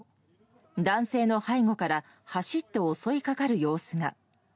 男性の背後から走って襲いかかる様子が。